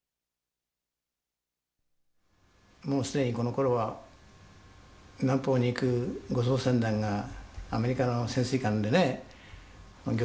もう既にこのころは南方に行く護送船団がアメリカの潜水艦でね魚雷でボコボコ沈んでましたから。